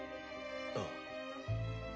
ああ。